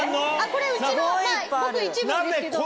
これうちのごく一部ですけど。